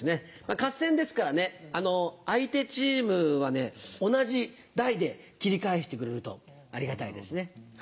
合戦ですから相手チームは同じ題で切り返してくれるとありがたいですね。